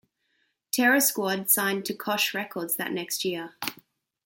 Terror Squad signed to Koch Records that next year.